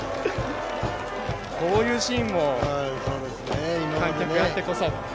こういうシーンも観客あってこそ。